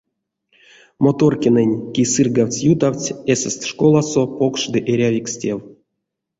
Моторкиннэнь, кие сыргавтсь-ютавтсь эсест школасо покш ды эрявикс тев.